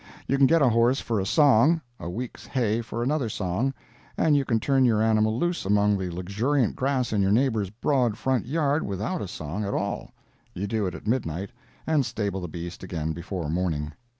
You can get a horse for a song, a week's hay for another song, and you can turn your animal loose among the luxuriant grass in your neighbor's broad front yard without a song at all—you do it at midnight, and stable the beast again before morning.